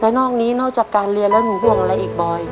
นอกนี้นอกจากการเรียนแล้วหนูห่วงอะไรอีกบอย